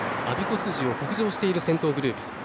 あびこ筋を北上している先頭グループ。